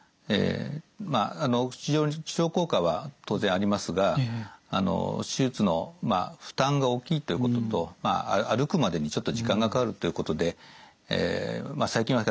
まあ非常に治療効果は当然ありますが手術の負担が大きいということと歩くまでにちょっと時間がかかるということで最近はだいぶ減っております。